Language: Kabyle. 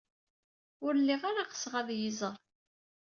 Ur lliɣ ara ɣseɣ ad iyi-iẓer.